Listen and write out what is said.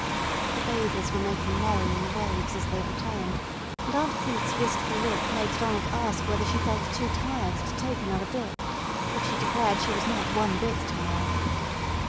The bathers were making merry in the waves as they returned, and Aunt Crete's wistful look made Donald ask whether she felt too tired to take another dip, but she declared she was not one bit tired.